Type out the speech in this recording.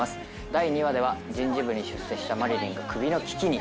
第２話では、人事部に出世した麻理鈴がクビの危機に。